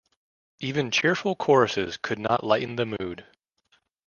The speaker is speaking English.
Even cheerful choruses could not lighten the mood.